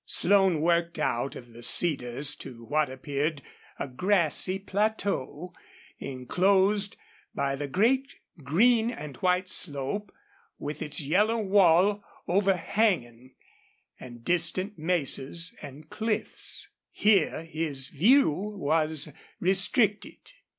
Slone worked out of the cedars to what appeared a grassy plateau inclosed by the great green and white slope with its yellow wall over hanging, and distant mesas and cliffs. Here his view was restricted.